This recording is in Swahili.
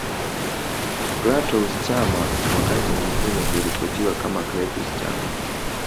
Clatous Chama wakati mwingine huripotiwa kama Cletus Chama